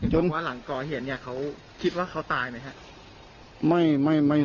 หลังก่อเหตุเขาคิดว่าเขาตายไหมฮะ